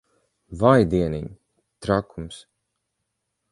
Vai dieniņ! Trakums.